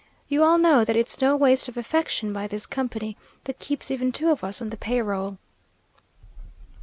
You all know that it's no waste of affection by this company that keeps even two of us on the pay roll."